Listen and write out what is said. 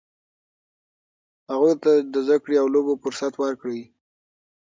هغوی ته د زده کړې او لوبو فرصت ورکړئ.